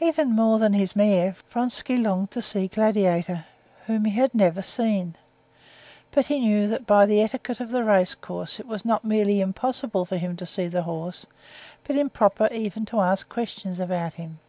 Even more than his mare, Vronsky longed to see Gladiator, whom he had never seen. But he knew that by the etiquette of the race course it was not merely impossible for him to see the horse, but improper even to ask questions about him.